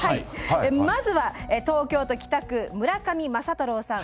まずは、東京都北区村上雅太郎さん。